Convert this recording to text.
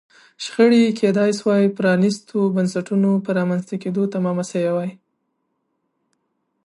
شخړې کېدای شوای پرانیستو بنسټونو په رامنځته کېدو تمامه شوې وای.